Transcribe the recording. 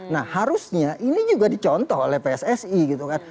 nah harusnya ini juga dicontoh oleh pssi gitu kan